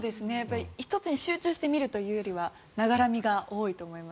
１つに集中して見るというよりはながら見が多いと思います。